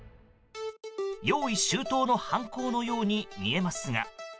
用意周到の犯行のように見えますが。